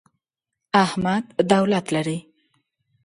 احمد دولت لري.